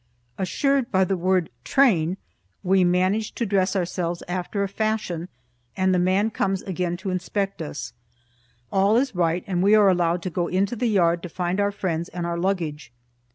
Assured by the word "train" we manage to dress ourselves after a fashion, and the man comes again to inspect us. All is right, and we are allowed to go into the yard to find our friends and our luggage.